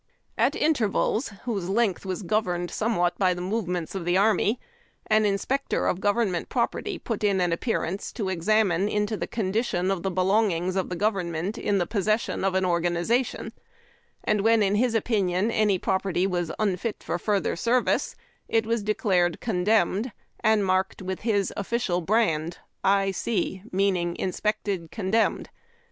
At intervals, whose length was governed somewhat by the movements of the army, an inspector of government property put in an appearance to examine into the condi tion of the belongings of the government in the possession of an organization, and when in his opinion any property was unfit for further service it was declared condemned, and marked with his official brand, I C, meaning. Inspected Condenmed.